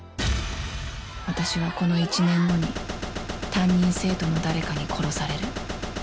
私はこの１年後に担任生徒の誰かに殺される。